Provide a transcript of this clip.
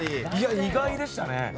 意外でしたね。